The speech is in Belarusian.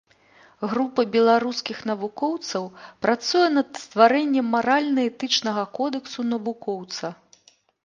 Група беларускіх навукоўцаў працуе над стварэннем маральна-этычнага кодэксу навукоўца.